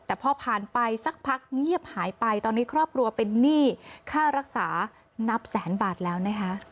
แต่พอผ่านไปสักพักเงียบหายไปตอนนี้ครอบครัวเป็นหนี้ค่ารักษานับแสนบาทแล้วนะคะ